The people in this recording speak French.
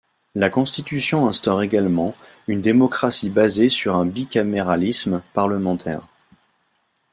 La Constitution instaure également une démocratie basée sur un bicaméralisme parlementaire.